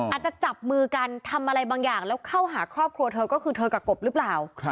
จับมือกันทำอะไรบางอย่างแล้วเข้าหาครอบครัวเธอก็คือเธอกับกบหรือเปล่า